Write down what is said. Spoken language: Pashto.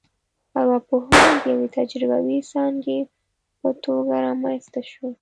ارواپوهنه د یوې تجربوي ځانګې په توګه رامنځته شوه